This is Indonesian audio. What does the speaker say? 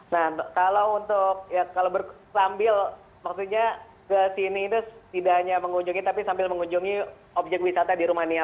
nah kalau untuk ya kalau sambil maksudnya ke sini itu tidak hanya mengunjungi tapi sambil mengunjungi objek wisata di rumania